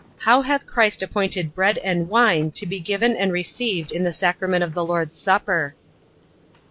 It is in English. How hath Christ appointed bread and wine to be given and received in the sacrament of the Lord's supper?